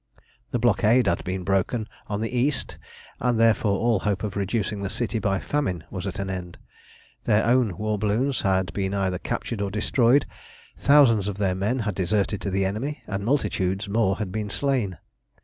The blockade had been broken on the east, and, therefore, all hope of reducing the city by famine was at an end. Their own war balloons had been either captured or destroyed, thousands of their men had deserted to the enemy, and multitudes more had been slain.